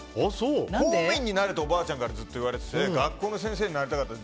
公務員になれってずっとおばあちゃんからずっと言われていて学校の先生になりたかった。